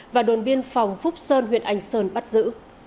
và đồn biên phòng phúc sơn huyện anh sơn bắt giữ